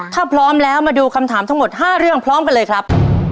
ถ้าพร้อมแล้วมาดูคำถามทั้งหมด๕เรื่องพร้อมกันเลยครับ